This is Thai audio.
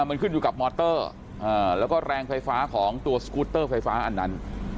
มันขึ้นอยู่กับมอเตอร์แล้วก็แรงไฟฟ้าของตัวสกูตเตอร์ไฟฟ้าอันนั้น